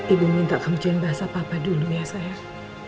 ibu minta kebencian bahasa papa dulu ya sayang